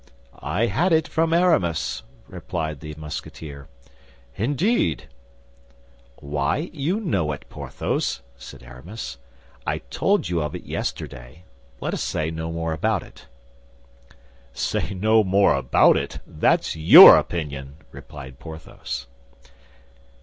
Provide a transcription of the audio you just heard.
"I had it from Aramis," replied the Musketeer. "Indeed?" "Why, you knew it, Porthos," said Aramis. "I told you of it yesterday. Let us say no more about it." "Say no more about it? That's your opinion!" replied Porthos.